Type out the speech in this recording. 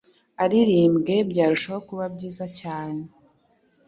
aririmbwe byarushaho kuba byiza cyane?